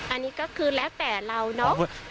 อันนี้ก็คือแล้วแต่เราเนาะ